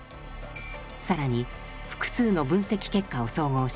更に複数の分析結果を総合し